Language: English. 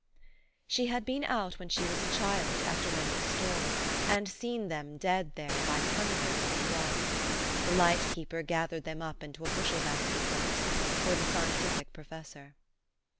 She had been out when she was a child, after many a storm, and seen them dead there by hundreds on the rock. The light keeper gathered them up into a bushel basket once, for the scientific professor.